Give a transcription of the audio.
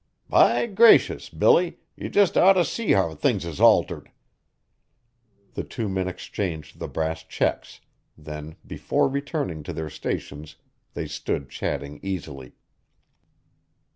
By gracious! Billy, ye jest oughter see how things is altered." The two men exchanged the brass checks, then, before returning to their stations, they stood chatting easily.